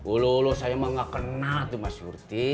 ulu ulu saya emang gak kenal tuh mas surti